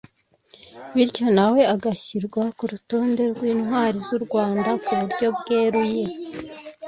bityo nawe agashyirwa ku rutonde rw’intwari z’u Rwanda ku buryo bweruye